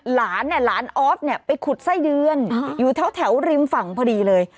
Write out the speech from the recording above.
หลานเนี่ยหลานออฟเนี่ยไปขุดไส้เดือนอยู่แถวริมฝั่งพอดีเลย